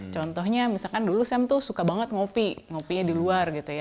contohnya misalkan dulu sam tuh suka banget ngopi ngopinya di luar gitu ya